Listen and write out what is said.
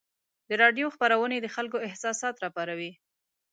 د راډیو خپرونې د خلکو احساسات راپاروي.